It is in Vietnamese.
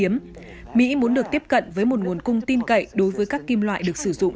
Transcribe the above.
mỹ muốn được tiếp cận với một nguồn cung tin cậy đối với các kim loại được sử dụng